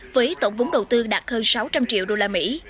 với tổng vốn đầu tư đạt hơn sáu trăm linh triệu đô la mỹ